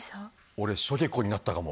俺しょげこになったかも。